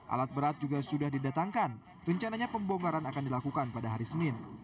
alat berat juga sudah didatangkan rencananya pembongkaran akan dilakukan pada hari senin